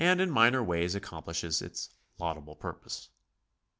in minor ways accomplishes its laudable purpose.